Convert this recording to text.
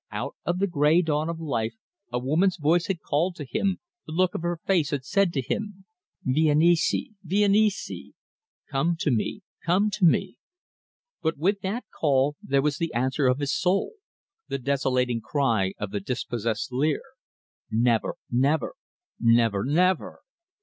Out of the grey dawn of life a woman's voice had called to him; the look of her face had said to him: "Viens ici! Viens ici!" "Come to me! Come to me!" But with that call there was the answer of his soul, the desolating cry of the dispossessed Lear " never never never never!"